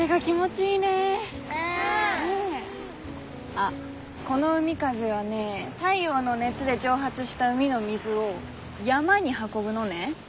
あっこの海風はね太陽の熱で蒸発した海の水を山に運ぶのね。